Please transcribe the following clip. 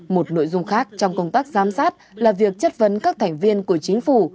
một nội dung khác trong công tác giám sát là việc chất vấn các thành viên của chính phủ